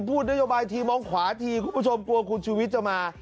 พูดนโยบายทีมองขวาทีคุณผู้ชมกลัวคุณชุวิตจะมา